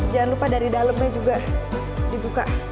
jangan lupa dari dalamnya juga dibuka